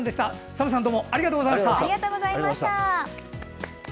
ＳＡＭさんどうもありがとうございました。